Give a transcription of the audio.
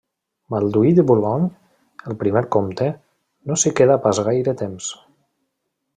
Balduí de Boulogne, el primer comte, no s'hi quedà pas gaire temps.